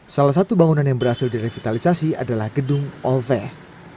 salah satu bangunan yang berhasil direvitalisasi adalah gedung olveh